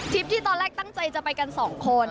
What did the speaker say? ที่ตอนแรกตั้งใจจะไปกันสองคน